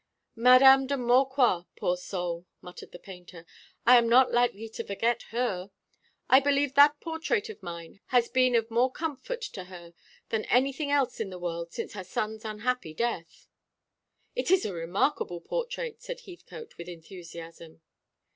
"Mdme. de Maucroix, poor soul!" muttered the painter. "I am not likely to forget her. I believe that portrait of mine has been of more comfort to her than anything else in the world since her son's unhappy death." "It is a remarkable portrait," said Heathcote, with enthusiasm.